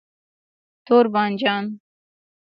🍆 تور بانجان